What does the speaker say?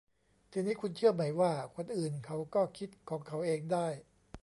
ทีนี้คุณเชื่อไหมว่า คนอื่นเขาก็คิดของเขาเองได้